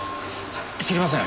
知りません。